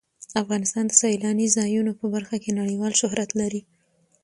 افغانستان د سیلانی ځایونه په برخه کې نړیوال شهرت لري.